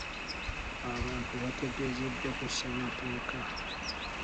Abantu baategeezeddwa ku ssemateeka.